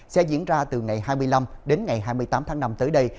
sẽ diễn ra từ ngày hai mươi năm đến ngày hai mươi tám tháng năm tới đây